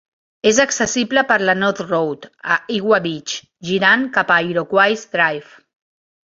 És accessible per la North Road a Ewa Beach girant cap a Iroquois Drive.